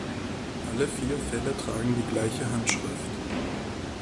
Alle vier Fälle tragen die gleiche Handschrift.